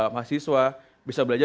mahasiswa bisa belajar